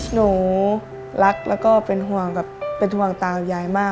หนูรักแล้วก็เป็นห่วงตาวยายมาก